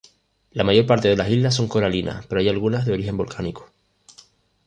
La mayor parte de las islas son coralinas, pero hay algunas de origen volcánico.